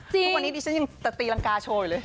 ทุกวันนี้ดิฉันยังแต่ตีรังกาโชว์อยู่เลย